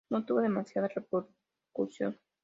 No tuvo demasiada repercusión.